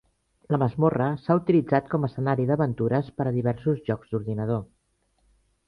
La masmorra s'ha utilitzat com escenari d'aventures per a diversos jocs d'ordinador.